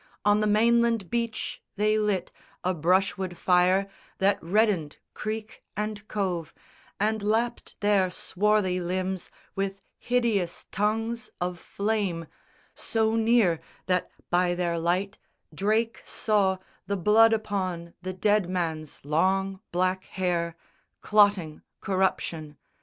On the mainland beach they lit A brushwood fire that reddened creek and cove And lapped their swarthy limbs with hideous tongues Of flame; so near that by their light Drake saw The blood upon the dead man's long black hair Clotting corruption.